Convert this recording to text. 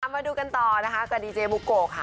มาดูกันต่อนะคะกับดีเจบุโกะค่ะ